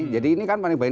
jadi ini kan panik baying